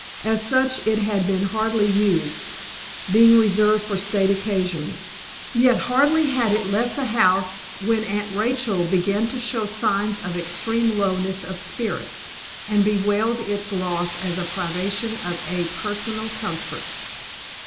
As such it had been hardly used, being reserved for state occasions; yet hardly had it left the the house, when Aunt Rachel began to show signs of extreme lowness of spirits, and bewailed its loss as a privation of a personal comfort.